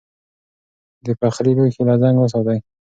د پخلي لوښي له زنګ وساتئ.